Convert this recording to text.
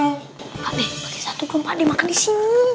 pak de pake satu dong pak de makan di sini